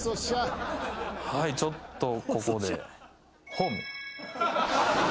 はいちょっとここで。